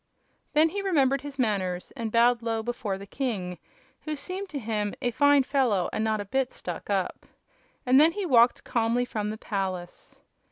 Then he remembered his manners and bowed low before the king, who seemed to him "a fine fellow and not a bit stuck up." And then he walked calmly from the palace.